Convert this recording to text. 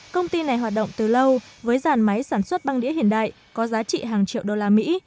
công ty này hoạt động từ lâu với dàn máy sản xuất băng đĩa hiện đại có giá trị hàng triệu đô la mỹ